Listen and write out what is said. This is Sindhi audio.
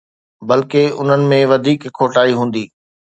بلڪه، انهن ۾ وڌيڪ کوٽائي هوندي.